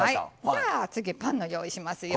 次、パンを用意しますよ。